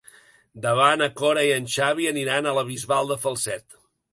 Demà na Cora i en Xavi aniran a la Bisbal de Falset.